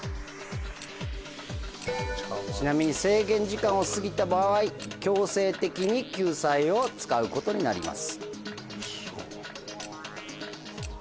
ちなみに制限時間を過ぎた場合強制的に救済を使うことになります。